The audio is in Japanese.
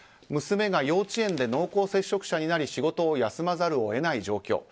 娘が幼稚園で濃厚接触者になり仕事を休まざるを得ない状況。